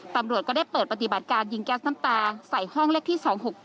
ตำรวจก็ได้เปิดปฏิบัติการยิงแก๊สน้ำตาใส่ห้องเลขที่๒๖๙